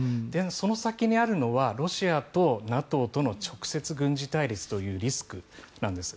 その先にあるのはロシアとＮＡＴＯとの直接軍事対立というリスクなんです。